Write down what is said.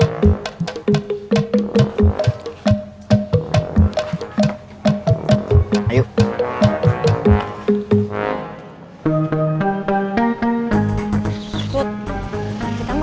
poin menhemahkan dari vulga